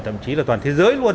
thậm chí là toàn thế giới luôn